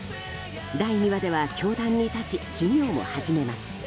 第２話では教壇に立ち授業を始めます。